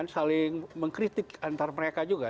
saling mengkritik antar mereka juga